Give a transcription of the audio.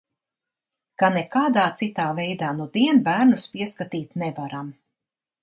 Ka "nekādā citā veidā nudien bērnus pieskatīt nevaram".